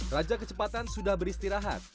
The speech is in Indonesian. raja kecepatan sudah beristirahat